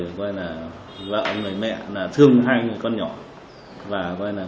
người vợ người mẹ thương hai người con nhỏ và nghĩ ấn hận